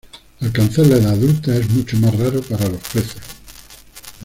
Alcanzar la edad adulta es mucho más raro para los peces.